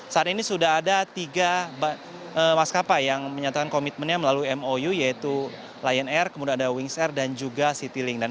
saat ini sudah ada tiga maskapai yang menyatakan komitmennya melalui mou yaitu lion air kemudian ada wings air dan juga citylink